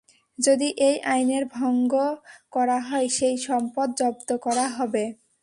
যদি এই আইনের ভঙ্গ করা হয় সেই সম্পদ জব্দ করা হবে।